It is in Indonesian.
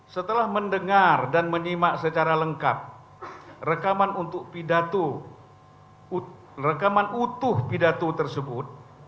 setelah mendengar dan menyimak secara lengkap rekaman untuk pidato rekaman utuh pidato tersebut